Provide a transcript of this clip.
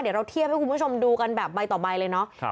เดี๋ยวเราเทียบให้คุณผู้ชมดูกันแบบใบต่อใบเลยเนาะ